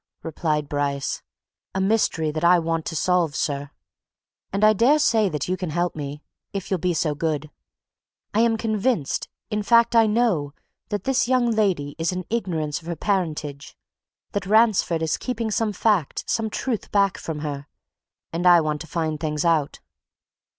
replied Bryce. "A mystery that I want to solve, sir. And I dare say that you can help me, if you'll be so good. I am convinced in fact, I know! that this young lady is in ignorance of her parentage, that Ransford is keeping some fact, some truth back from her and I want to find things out.